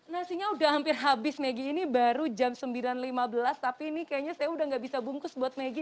nasinya udah hampir habis maggie ini baru jam sembilan lima belas tapi ini kayaknya saya udah gak bisa bungkus buat megi